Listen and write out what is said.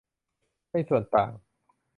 ในส่วนต่าง